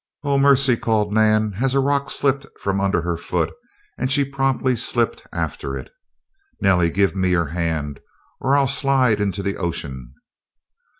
"Oh, mercy!" called Nan, as a rock slipped from under her foot and she promptly slipped after it. "Nellie, give me your hand or I'll slide into the ocean!"